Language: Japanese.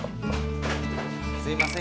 すいません